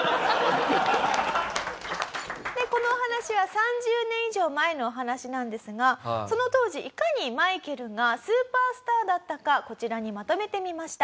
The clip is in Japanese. このお話は３０年以上前のお話なんですがその当時いかにマイケルがスーパースターだったかこちらにまとめてみました。